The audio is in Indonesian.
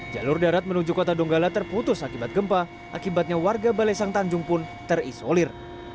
jalur darat menuju kota donggala terputus akibat gempa akibatnya warga balesang tanjung pun terisolir